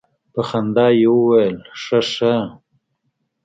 په خندا يې وويل خه خه.